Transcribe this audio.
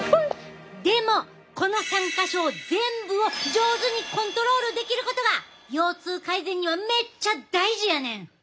でもこの３か所全部を上手にコントロールできることが腰痛改善にはめっちゃ大事やねん！